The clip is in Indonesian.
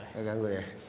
enggak ganggu ya